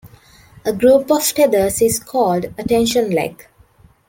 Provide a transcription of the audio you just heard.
A group of tethers is called a tension leg.